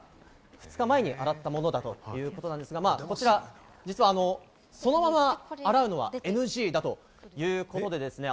２日前に洗ったものだということなんですが、こちら実はそのまま洗うのはＮＧだということですですね。